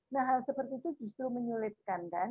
nah hal seperti itu justru menyulitkan kan